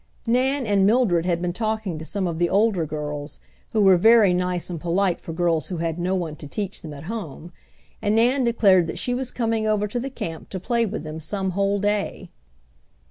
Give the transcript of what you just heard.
Nan and Mildred had been talking to some of the older girls, who were very nice and polite for girls who had no one to teach them at home, and Nan declared that she was coming over to the camp to play with them some whole day.